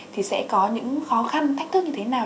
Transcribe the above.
thì sẽ có những khó khăn thách thức như thế nào